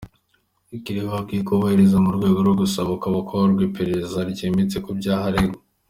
Kelly bakwiye kubihagarika mu rwego rwo gusaba ko hakorwa iperereza ryimbitse ku byaha aregwa.